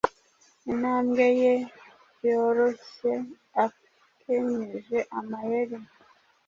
Intambwe ye yorohye, akenyeje amayeri,